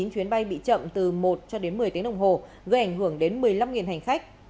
tám mươi chín chuyến bay bị chậm từ một một mươi tiếng đồng hồ gây ảnh hưởng đến một mươi năm hành khách